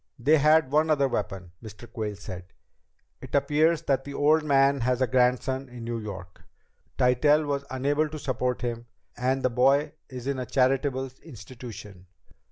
"They had one other weapon," Mr. Quayle said. "It appears that the old man has a grandson in New York. Tytell was unable to support him and the boy is in a charitable institution.